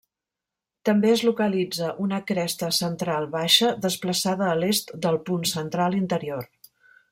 També es localitza una cresta central baixa, desplaçada a l'est del punt central interior.